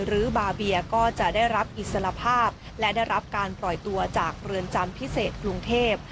หรือบาเบียก็จะได้รับอิสระภาพและได้รับการปล่อยตัวจากเรือนจำพิเศษกรุงเทพ